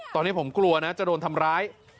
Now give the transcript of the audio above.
ตอนนี้ผมกลัวนะจะโดนทำร้าย